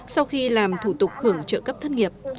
sau khi làm thủ tục hưởng trợ cấp thất nghiệp